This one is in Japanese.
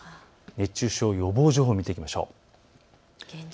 熱中症予防情報を見ていきましょう。